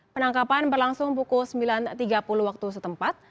penangkapan berlangsung pukul sembilan tiga puluh waktu setempat